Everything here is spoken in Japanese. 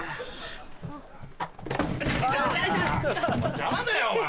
邪魔だよお前！